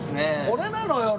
これなのよ！